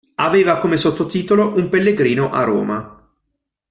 Aveva come sottotitolo "Un pellegrino a Roma".